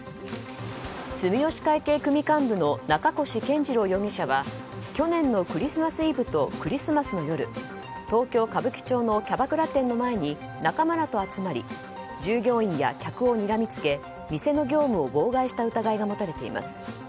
住吉会系組幹部の中越健二郎容疑者は去年のクリスマスイブとクリスマスの夜東京・歌舞伎町のキャバクラ店の前に仲間らと集まり従業員や客をにらみつけ店の業務を妨害した疑いが持たれています。